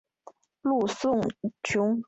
陆颂雄。